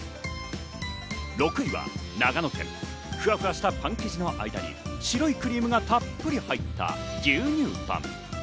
６位は長野県、ふわふわしたパン生地の間に白いクリームがたっぷり入った牛乳パン。